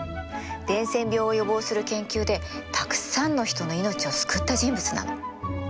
伝染病を予防する研究でたくさんの人の命を救った人物なの。